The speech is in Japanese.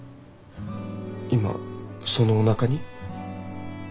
今そのおなかに？